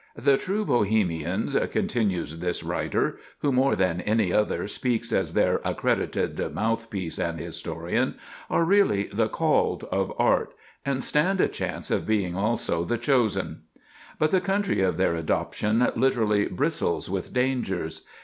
"The true Bohemians," continues this writer, who, more than any other, speaks as their accredited mouthpiece and historian, "are really the called of art, and stand a chance of being also the chosen." But the country of their adoption literally "bristles with dangers.